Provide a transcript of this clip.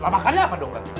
makannya apa dong